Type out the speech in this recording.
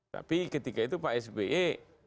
tapi ketika itu pak sby